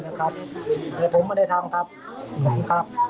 ที่เขารู้จักกันแล้วแล้วเขายุ่งเชื่อมันในตัวเรา